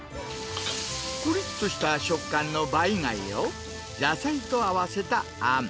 こりっとした食感のバイ貝を野菜と合わせたあん。